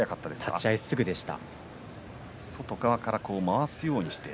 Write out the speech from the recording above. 立ち合いすぐでした。